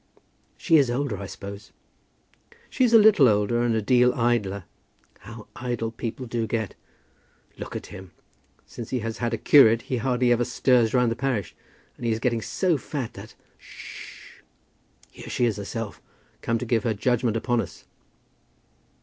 "She is older, I suppose." "She's a little older, and a deal idler. How idle people do get! Look at him. Since he has had a curate he hardly ever stirs round the parish. And he is getting so fat that H sh! Here she is herself, come to give her judgment upon us."